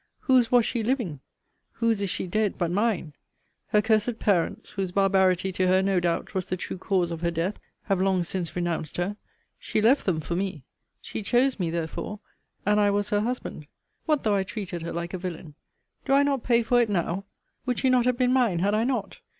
Whose was she living? Whose is she dead but mine? Her cursed parents, whose barbarity to her, no doubt, was the true cause of her death, have long since renounced her. She left them for me. She chose me therefore; and I was her husband. What though I treated her like a villain? Do I not pay for it now? Would she not have been mine had I not?